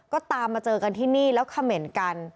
ก็ตามมาเจอกันที่นี่แล้วเขม่นกัน